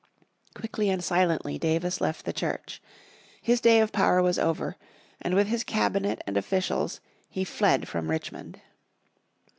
Quickly and silently Jefferson Davis left the church. His day of power was over, and, with his Cabinet and officials, he fled from Richmond.